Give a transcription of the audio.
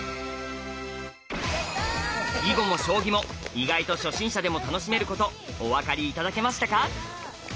囲碁も将棋も意外と初心者でも楽しめることお分かり頂けましたか？